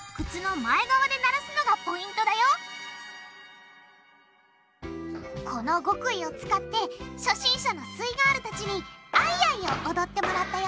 どちらもこの極意を使って初心者のすイガールたちにアイアイを踊ってもらったよ